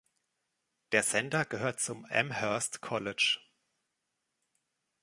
Der Sender gehört zum Amherst College.